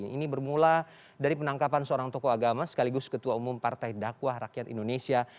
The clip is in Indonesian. ini bermula dari penangkapan seorang tokoh agama sekaligus ketua umum partai dakwah rakyat indonesia